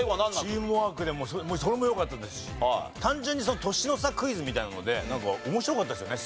チームワークでそれも良かったですし単純に年の差クイズみたいなので面白かったですよね